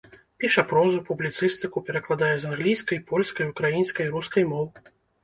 Піша прозу, публіцыстыку, перакладае з англійскай, польскай, украінскай, рускай моў.